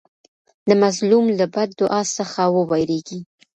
د مظلوم له بد دعا څخه وویریږئ.